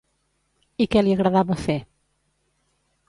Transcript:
I què li agradava fer?